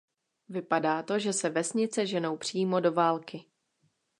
Vypadá to že se vesnice ženou přímo do války.